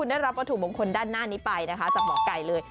ได้รับวัตถุมงคลด้านหน้านี้ไปนะคะจากหมอไก่เลย